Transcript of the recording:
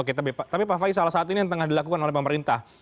oke tapi pak faiz salah satu ini yang tengah dilakukan oleh pemerintah